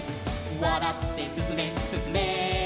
「わらってすすめすすめ」「」